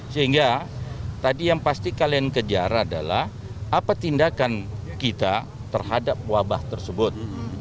sehingga tadi yang pasti kalian kejar adalah apa tindakan kita terhadap wabah tersebut